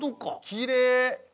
きれい！